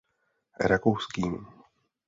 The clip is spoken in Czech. Rakouským.